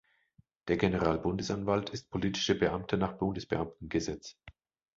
Der Generalbundesanwalt ist politischer Beamter nach Bundesbeamtengesetz.